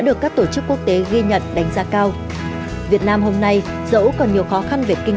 được các tổ chức quốc tế ghi nhận đánh giá cao việt nam hôm nay dẫu còn nhiều khó khăn về kinh